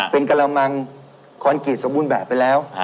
เป็นกระมังคอนกรีตสมบูรณ์แบบไปแล้ว